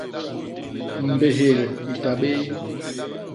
Mbéhél i ta bé.